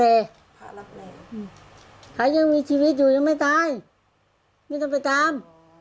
เออเขายังมีชีวิตอยู่ยังไม่ตายไม่ต้องไปตาม